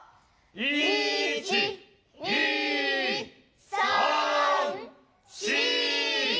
１２３４５！